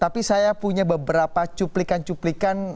tapi saya punya beberapa cuplikan cuplikan